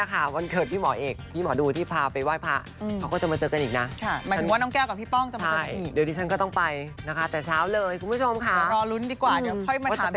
เป็นน้องเป็นเพื่อนอย่างนี้เลยครับ